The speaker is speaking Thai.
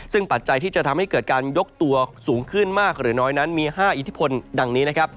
ซึ่งปัจจัยที่จะทำให้เกิดการยกตัวสูงขึ้นมากหรือน้อยนั้นมี๕อิทธิพลดังนี้นะครับ